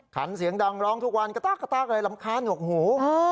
ขันเสียงดังร้องทุกวันกระตากกระตากเลยรำคาญหนวกหู